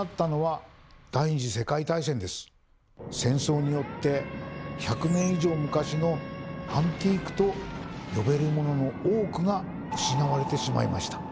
戦争によって１００年以上昔の「アンティーク」と呼べるモノの多くが失われてしまいました。